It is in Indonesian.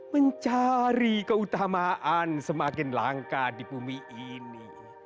mencari keutamaan semakin langka di bumi ini